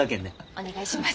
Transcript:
お願いします。